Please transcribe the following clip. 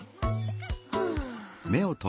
ふう。